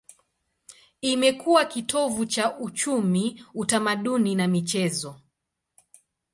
Imekuwa kitovu cha uchumi, utamaduni na michezo.